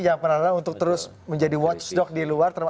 jangan pernah ada untuk terus menjadi watchdog di luar